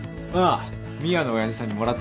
美和の親父さんにもらってきた。